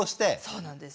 そうなんです。